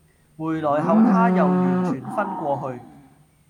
回來後她又完全昏過去